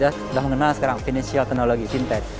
sudah mengenal sekarang teknologi finansial fintech